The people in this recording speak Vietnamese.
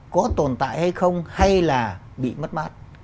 có tồn tại hay không hay là bị mất mát